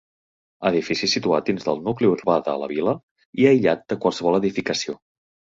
Edifici situat dins del nucli urbà de la vila i aïllat de qualsevol edificació.